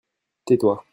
tais-toi.